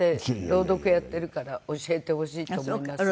朗読やってるから教えてほしいと思います。